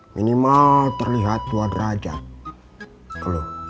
minimal terlihat dua derajat